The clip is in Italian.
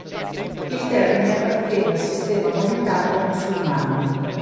Il termine appartiene al sistema monetario musulmano.